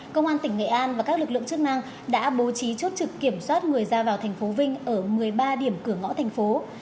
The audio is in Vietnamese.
công an tỉnh nghệ an và các lực lượng chức năng đã bố trí chốt trực kiểm soát người ra vào thành phố vinh ở một mươi ba điểm cửa ngõ thành phố